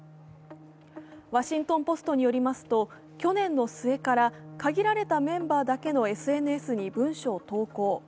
「ワシントン・ポスト」によりますと去年の末から限られたメンバーだけのＳＮＳに文書を投稿。